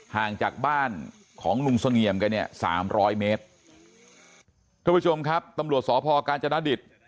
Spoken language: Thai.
ห่างจากบ้านของลุงสงเหยียมกันเนี่ย๓๐๐เมตรทุกผู้ชมครับตำรวจสพกาญจนาดิษฐ์